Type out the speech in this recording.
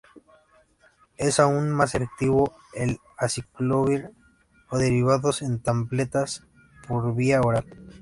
Es aún más efectivo el aciclovir o derivados en tabletas por vía oral.